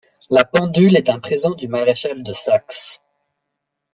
La pendule est un présent du maréchal de Saxe.